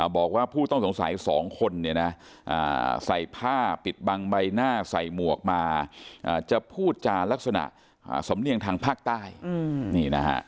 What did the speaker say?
บอกว่าผู้ต้องสงสัย๒คนเนี่ยนะใส่ผ้าปิดบังใบหน้าใส่หมวกมาจะพูดจานลักษณะสำเนียงทางภาคใต้นี่นะฮะ